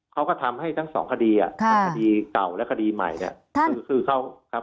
เขาก็ทำให้ทั้งสองคดีอ่ะคดีเก่าคดีใหม่และคดีเป็นลาก่อน